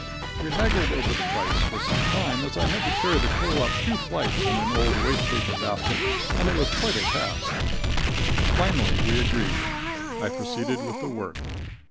We haggled over the price for some time, as I had to carry the coal up two flights in an old waste paper basket and it was quite a task. Finally we agreed. I proceeded with the work.